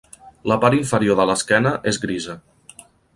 La part inferior de l'esquena és grisa.